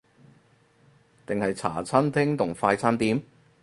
定係茶餐廳同快餐店？